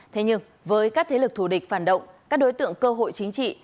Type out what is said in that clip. thế nhưng với các thế lực thù địch phản động các đối tượng cơ hội chính trị